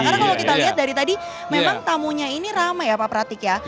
karena kalau kita lihat dari tadi memang tamunya ini ramai ya pak pratik ya